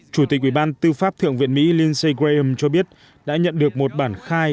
chủ tịch ủy ban tư pháp thượng viện mỹ lindsey graham cho biết đã nhận được một bản khai